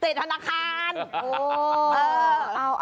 ติดธนาคาร